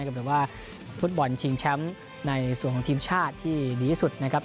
หรือว่าฟุตบอลชิงแชมป์ในส่วนของทีมชาติที่ดีที่สุดนะครับ